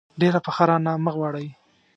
ډېره پخه رانه مه غواړئ.